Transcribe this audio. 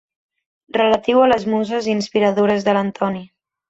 Relatiu a les muses inspiradores de l'Antoni.